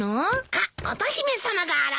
あっ乙姫さまが現れた。